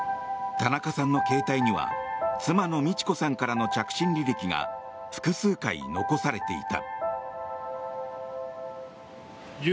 田中さんの携帯には妻の路子さんからの着信履歴が複数回、残されていた。